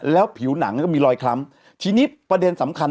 แล้วผิวหนังก็มีรอยคล้ำทีนี้ประเด็นสำคัญ